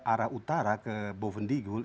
arah utara ke boven digul